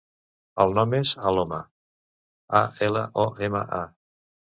El nom és Aloma: a, ela, o, ema, a.